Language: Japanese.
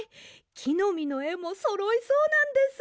きのみのえもそろいそうなんです。